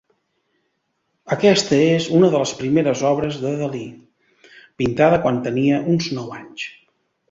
Aquesta és una de les primeres obres de Dalí, pintada quan tenia uns nou anys.